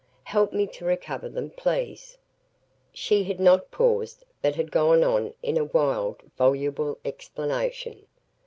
Help me to recover them please!" She had not paused, but had gone on in a wild, voluble explanation.